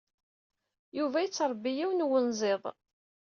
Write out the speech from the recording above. Yuba yettṛebbi yiwen wenziḍ.